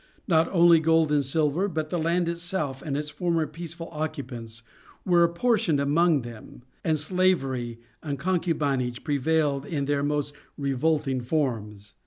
Not only gold and silver, but the land itself and its former peaceful occupants, were apportioned among them; and slavery and concubinage prevailed in their most revolting forms.